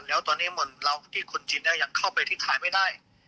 แล้วตอนนี้มนตร์เราที่คุณจินเนี่ยยังเข้าไปที่ทายไม่ได้